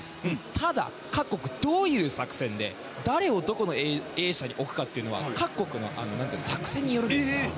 ただ、各国どういう作戦で誰をどこの泳者に置くかは各国の作戦によるんですよ。